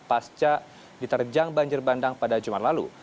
pasca diterjang banjir bandang pada jumat lalu